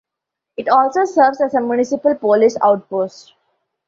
It also serves as a Municipal Police Outpost.